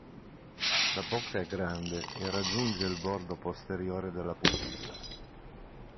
La bocca è grande e raggiunge il bordo posteriore della pupilla.